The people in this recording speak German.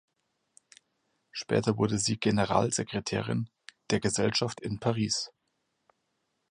Später wurde sie Generalsekretärin der Gesellschaft in Paris.